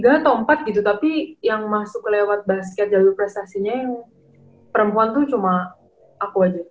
gak tau empat gitu tapi yang masuk lewat basket jalur prestasinya yang perempuan tuh cuma aku aja